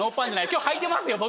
今日はいてますよ僕。